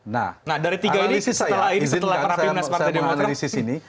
nah analisis saya izinkan saya menganalisis ini